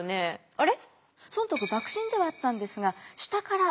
あれ？